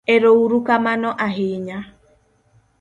erouru kamano ahinya